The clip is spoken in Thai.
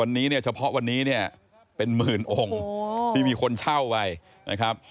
วันนี้เนี่ยเฉพาะวันนี้เนี่ยเป็นหมื่นองค์ที่มีคนเช่าไปนะครับ